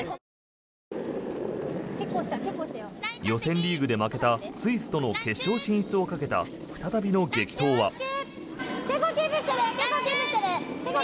予選リーグで負けたスイスとの決勝進出をかけた再びの激闘は。